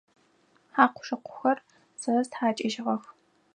Хьакъу-шыкъухэр сэ стхьакӏыжьыгъэх.